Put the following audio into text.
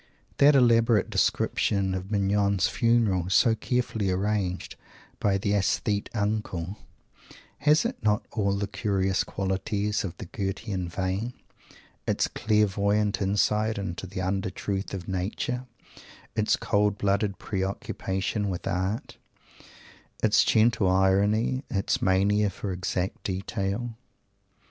That elaborate description of Mignon's funeral so carefully arranged by the Aesthetic "Uncle," has it not all the curious qualities of the Goethean vein its clairvoyant insight into the under truth of Nature its cold blooded pre occupation with "Art" its gentle irony its mania for exact detail?